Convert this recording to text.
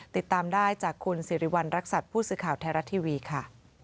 ติดตามได้จากคุณสิริวัณรักษัตริย์ผู้สื่อข่าวไทยรัฐทีวีค่ะ